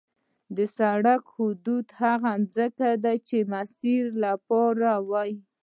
د سړک حدود هغه ځمکه ده چې د مسیر لپاره وي